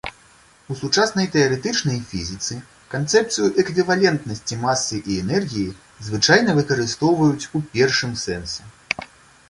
У сучаснай тэарэтычнай фізіцы канцэпцыю эквівалентнасці масы і энергіі звычайна выкарыстоўваюць у першым сэнсе.